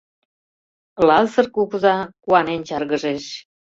Лазыр кугыза куанен чаргыжеш.